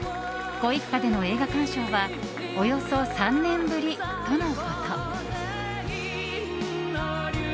ご一家での映画鑑賞はおよそ３年ぶりとのこと。